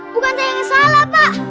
bukan saya yang salah pak